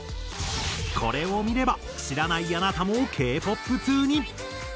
これを見れば知らないあなたもＫ−ＰＯＰ通に。